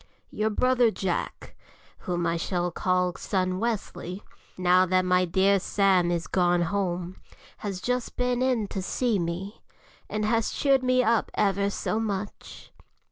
Your brother Jack, whom I shall call son Wesley, now that my dear Sam is gone home, has just been in to see me, and has cheered me up ever so much.